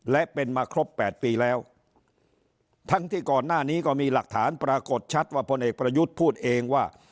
และเป็นมาครบแปดปีแล้วทั้งที่ก่อนหน้านี้ก็มีหลักฐานปรากฏชัดว่าพลเอกประยุทธ์พูดเองว่า